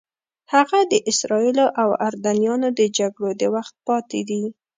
هغه د اسرائیلو او اردنیانو د جګړو د وخت پاتې دي.